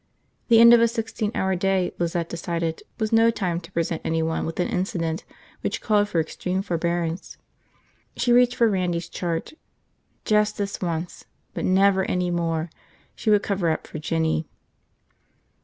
The end of a sixteen hour day, Lizette decided, was no time to present anyone with an incident which called for extreme forbearance. She reached for Randy's chart. Just this once – but never any more – she would cover up for Jinny.